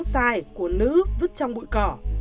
tai của nữ vứt trong bụi cỏ